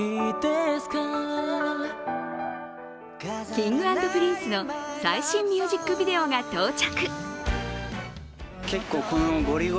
Ｋｉｎｇ＆Ｐｒｉｎｃｅの最新ミュージックビデオが到着。